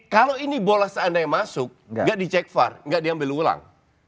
kalau ini bola seandainya masuk gak dicek far gak diambil ulang